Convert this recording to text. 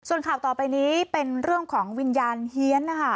ส่วนข่าวต่อไปนี้เป็นเรื่องของวิญญาณเฮียนนะคะ